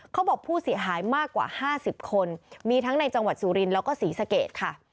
เขาบอกผู้เสียหายมากกว่า๕๐คนมีทั้งในจังหวัดสุรินทร์แล้วก็ศรีสะเกดค่ะ